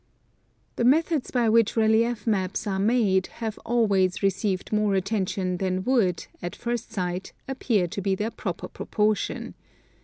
The methods by which relief maps are made have always re ceived more attention than would, at first sight, appear to be their proper proportion.